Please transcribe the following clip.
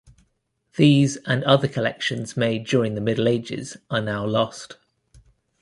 These and other collections made during the Middle Ages are now lost.